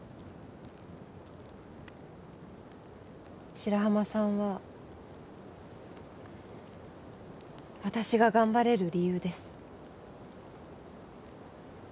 白浜さんは私が頑張れる理由です